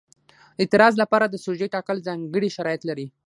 د اعتراض لپاره د سوژې ټاکل ځانګړي شرایط لري.